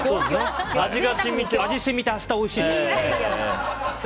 味が染みて明日おいしい。